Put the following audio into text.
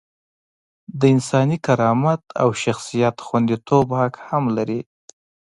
د انساني کرامت او شخصیت خونديتوب حق هم لري.